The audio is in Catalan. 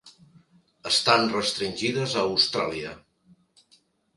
Estan restringides a Austràlia.